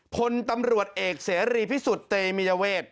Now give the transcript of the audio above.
พลตำรวจเอกเสรีพิสุทธิ์เตมียเวท